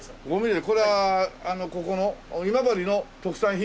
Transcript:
これはここの今治の特産品？